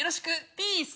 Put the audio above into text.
ピース。